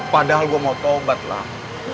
padahal gua mau tobat lam